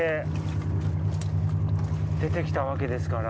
出てきたわけですから。